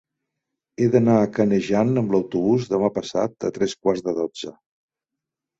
He d'anar a Canejan amb autobús demà passat a tres quarts de dotze.